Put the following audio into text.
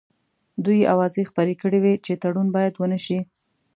دوی اوازې خپرې کړې وې چې تړون باید ونه شي.